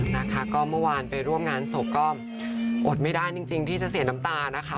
นะคะก็เมื่อวานไปร่วมงานศพก็อดไม่ได้จริงที่จะเสียน้ำตานะคะ